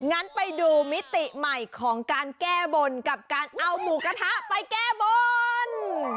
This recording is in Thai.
งั้นไปดูมิติใหม่ของการแก้บนกับการเอาหมูกระทะไปแก้บน